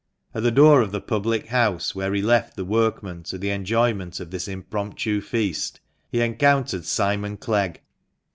At the door of the public house, where he left the workmen to the enjoyment of this impromptu feast, he encountered Simon Clegg.